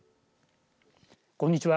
こんにちは。